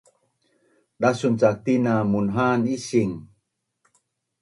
Dasun cak tina munha’an ising